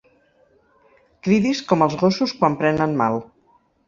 Cridis com els gossos quan prenen mal.